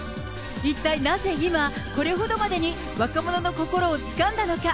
一体なぜ、今、これほどまでに若者の心をつかんだのか。